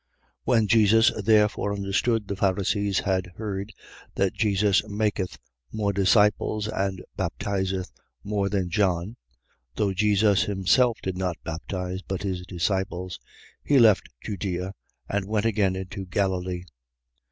4:1. When Jesus therefore understood the Pharisees had heard that Jesus maketh more disciples and baptizeth more than John 4:2. (Though Jesus himself did not baptize, but his disciples), 4:3. He left Judea and went again into Galilee.